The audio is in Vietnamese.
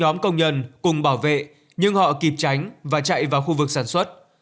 nhóm công nhân cùng bảo vệ nhưng họ kịp tránh và chạy vào khu vực sản xuất